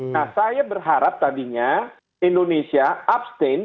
nah saya berharap tadinya indonesia abstain